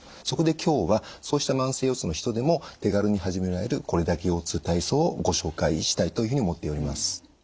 そこで今日はそうした慢性腰痛の人でも手軽に始められる「これだけ腰痛体操」をご紹介したいというふうに思っております。